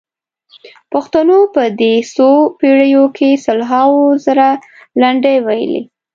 پښتنو په دې څو پېړیو کې سلهاوو زره لنډۍ ویلي.